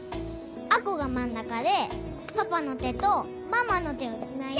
亜子が真ん中でパパの手とママの手をつないで。